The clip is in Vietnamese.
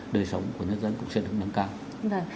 đời sống của nhân dân cũng sẽ được nâng cao